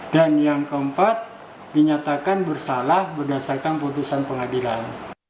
dan yang keempat dinyatakan bersalah berdasarkan putusan pengadilan